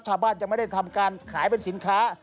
ชาวบ้านยังไม่ได้ทำการขายเป็นสินค้า